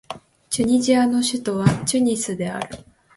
チュニジアの首都はチュニスである